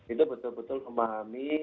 itu betul betul memahami